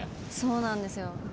そうなんですよ。